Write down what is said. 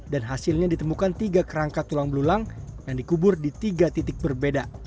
dan hasilnya ditemukan tiga kerangka tulang belulang yang dikubur di tiga titik berbeda